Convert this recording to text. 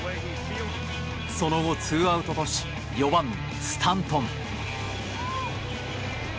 その後、ツーアウトとし４番スタントン。